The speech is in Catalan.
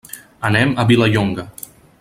Anem a Vilallonga.